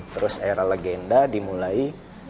terus era legenda dimulai